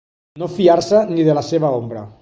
No fiar-se ni de la seva ombra.